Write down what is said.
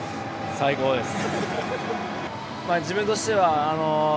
最高です。